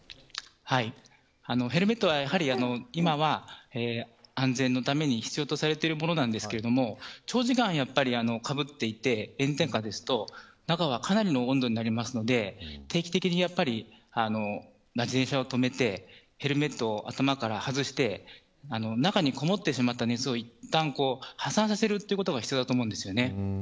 ヘルメットはやはり今は安全のために必要とされているものなんですが長時間かぶっていて炎天下ですと中はかなりの温度になるので定期的に自転車を止めてヘルメットを頭から外して中にこもってしまった熱をいったん発散させることが必要だと思うんです。